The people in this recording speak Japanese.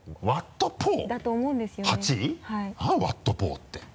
「ワット・ポー」って。